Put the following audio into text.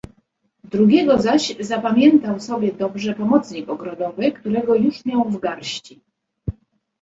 "Drugiego zaś zapamiętał sobie dobrze pomocnik ogrodowy, którego już miał w garści."